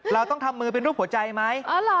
เราต้องทำมือเป็นรูปหัวใจไหม